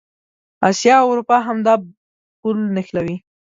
اسیا او اروپا همدا پل نښلوي.